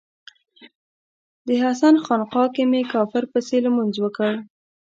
د حسن خانقا کې می کافر پسې لمونځ وکړ